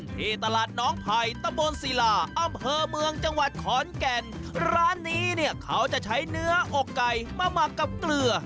ที่ตลาดน้องไผ่ตะบนศิลาอำเภอเมืองจังหวัดขอนแก่นร้านนี้เนี่ยเขาจะใช้เนื้ออกไก่มาหมักกับเกลือ